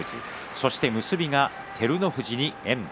そして、結びは照ノ富士に遠藤。